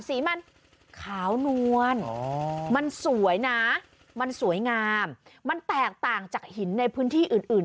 สีมันขาวนวลมันสวยนะมันสวยงามมันแตกต่างจากหินในพื้นที่อื่นอื่น